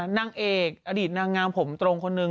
นางเอกอดีตนางงามผมตรงคนหนึ่ง